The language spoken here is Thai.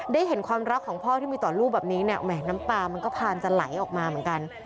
ได้เห็นความรักของพ่อที่มีต่อลูกแบบนี้เนี่ยแหมน้ำปลามันก็พานจะไหลออกมาเหมือนกัน